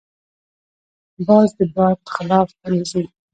باز د باد خلاف الوزي